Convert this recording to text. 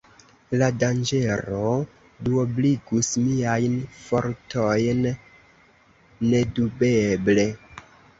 La danĝero duobligus miajn fortojn, nedubeble.